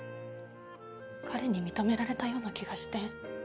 彼に認められたような気がして。